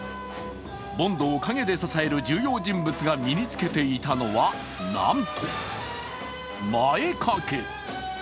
ボンドを陰で支える重要人物が身につけていたのは、なんと前掛け。